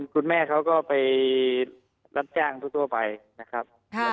คุณแม่เขาก็ไปรับจ้างทั่วไปนะครับ